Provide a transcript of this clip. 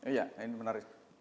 iya ini menarik